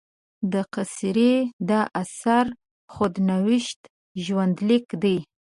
د قیصر دا اثر خود نوشت ژوندلیک دی.